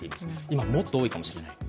今はもっと多いかもしれない。